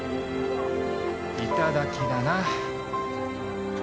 いただきだな。